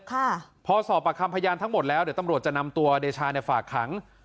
ค่ะพอสอบปากคำพยานทั้งหมดแล้วเดี๋ยวตำรวจจะนำตัวเดชาเนี่ยฝากขัง